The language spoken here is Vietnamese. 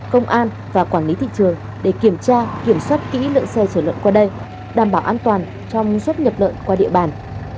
công an và quản lý thị trường để kiểm tra kiểm soát kỹ lượng xe chở lợn qua đây đảm bảo an toàn trong xuất nhập lợn qua địa bàn